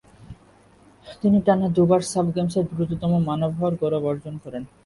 তিনি টানা দু'বার সাফ গেমসে দ্রুততম মানব হওয়ার গৌরব অর্জন করেন।